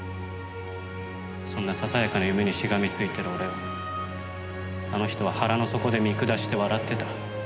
そんなささやかな夢にしがみついてる俺をあの人は腹の底で見下して笑ってた。